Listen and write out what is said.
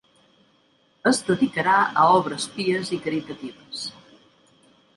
Es dedicarà a obres pies i caritatives.